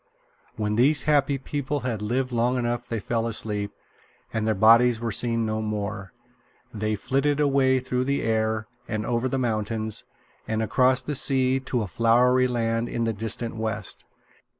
When these happy people had lived long enough they fell asleep, and their bodies were seen no more. They flitted away through the air, and over the mountains, and across the sea, to a flowery land in the distant west.